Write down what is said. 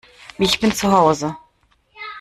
Ich bin zu Hause